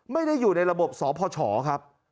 ไม่ได้อยู่ในระบบสอบผ่อฉอครับ